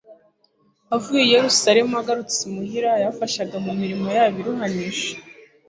Avuye i Yerusalemu agarutse imuhira yabafashaga mu mirimo yabo iruhanije